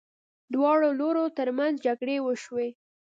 دواړو لورو ترمنځ جګړې وشوې.